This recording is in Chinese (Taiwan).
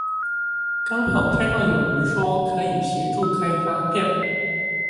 剛好看到有人說可以協助開發票